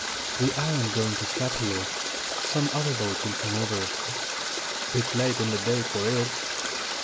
"We aren't going to stop here. Some other boat will come over." "Bit late in the day for it."